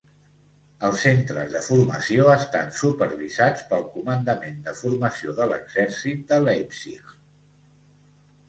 Els centres de formació estan supervisats pel Comandament de Formació de l'Exèrcit de Leipzig.